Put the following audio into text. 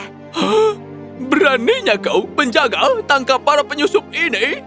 hah beraninya kau penjaga tangkap para penyusup ini